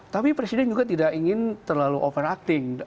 tapi presiden juga tidak ingin terlalu overacting